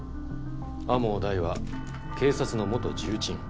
天羽大は警察の元重鎮。